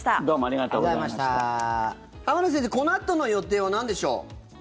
このあとの予定はなんでしょう？